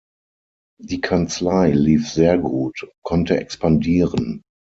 Die Kanzlei lief sehr gut und konnte expandieren.